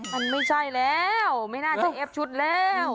มันไม่ใช่แล้วไม่น่าจะเอฟชุดแล้ว